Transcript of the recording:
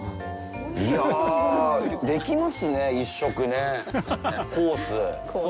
いや、できますね、１食ね、コース。